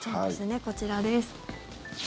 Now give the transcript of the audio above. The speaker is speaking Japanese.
こちらです。